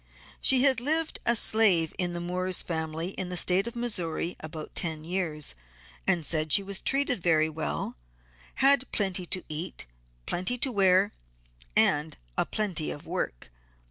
She had lived a slave in Moore's family in the State of Missouri about ten years and said she was treated very well, had plenty to eat, plenty to wear, and a plenty of work.